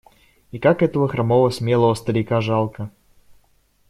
И как этого хромого смелого старика жалко!